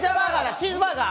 チーズバーガー。